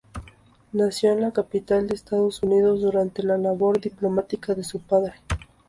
Nació en la capital de Estados Unidos durante la labor diplomática de su padre.